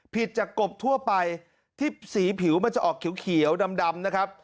ผิดจากกบทั่วไปที่สีผิวมันจะออกเขียวดำนะครับ